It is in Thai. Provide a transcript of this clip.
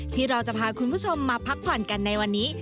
ที่เราจะพาคุณผู้ชมมาพักผ่อนกันในวันนี้